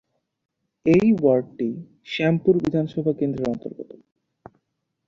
এই ওয়ার্ডটি শ্যামপুকুর বিধানসভা কেন্দ্রের অন্তর্গত।